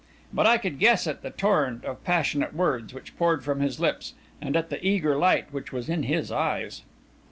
But I could guess at the torrent of passionate words which poured from his lips, and at the eager light which was in his eyes!